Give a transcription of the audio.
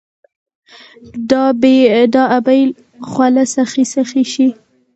د ابۍ خوله سخي، سخي شي